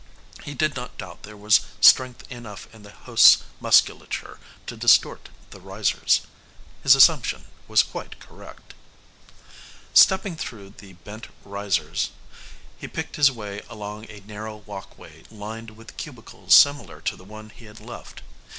He did not doubt there was strength enough in the host's musculature to distort the risers. His assumption was quite correct. Stepping through the bent risers, he picked his way along a narrow walkway lined with cubicles similar to the one he had left.